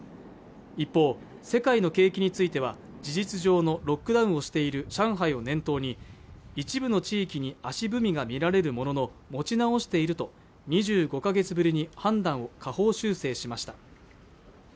一方世界の景気については事実上のロックダウンをしている上海を念頭に一部の地域に足踏みがみられるものの持ち直していると２５か月ぶりに判断を下方修正しました